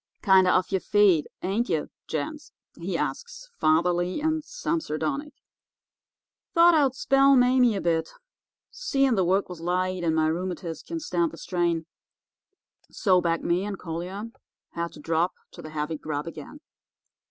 "'Kinder off yer feed, ain't ye, gents?' he asks, fatherly and some sardonic. 'Thought I'd spell Mame a bit, seein' the work was light, and my rheumatiz can stand the strain.' "So back me and Collier had to drop to the heavy grub again.